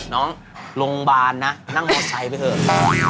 น้องโรงพยาบาลนะนั่งมอไซค์ไปเถอะ